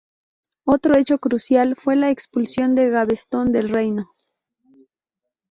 Otro hecho crucial fue la expulsión de Gaveston del reino.